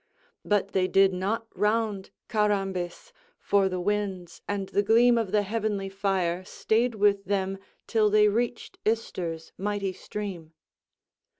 But they did not round Carambis, for the winds and the gleam of the heavenly fire stayed with them till they reached Ister's mighty stream.